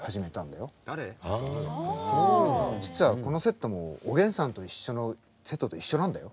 実はこのセットも「おげんさんといっしょ」のセットと一緒なんだよ。